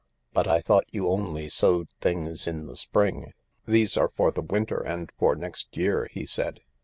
But I thought you only sowed things in the spring ?" "These are for the winter and for next year," he said.